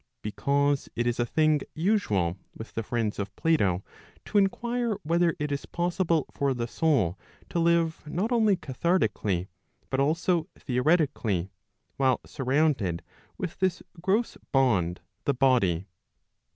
Because it is a thing usual with the friends of Plato to inquire whether it is possible for the soul to Digitized by boogie 476 ON PROVIDENCE live not only catliartically, but also theoretically, while surrounded with this gross bond the body.